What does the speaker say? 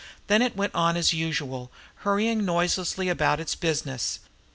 Then it went on as usual, hurrying noiselessly about its business.